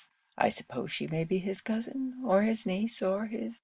I suppose she may be his cousin or his niece or his